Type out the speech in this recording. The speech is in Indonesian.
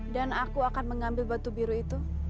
dan aku akan mengambil batu biru itu